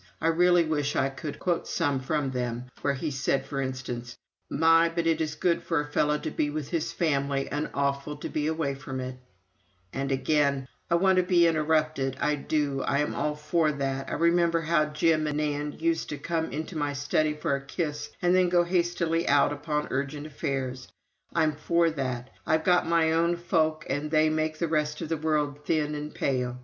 I really wish I could quote some from them where he said for instance: "My, but it is good for a fellow to be with his family and awful to be away from it." And again: "I want to be interrupted, I do. I'm all for that. I remember how Jim and Nand used to come into my study for a kiss and then go hastily out upon urgent affairs. I'm for that. ... I've got my own folk and they make the rest of the world thin and pale.